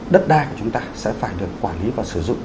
đất đai của chúng ta sẽ phải được quản lý và sử dụng